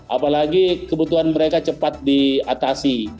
apalagi kebutuhan mereka cepat diatasi